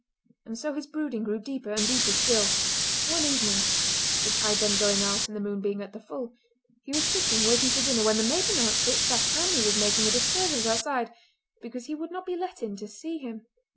And so his brooding grew deeper and deeper still. One evening—the tide then going out and the moon being at the full—he was sitting waiting for dinner when the maid announced that Saft Tammie was making a disturbance outside because he would not be let in to see him.